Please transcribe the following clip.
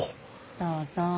どうぞ。